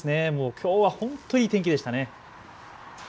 きょうは本当にいい天気でしたね。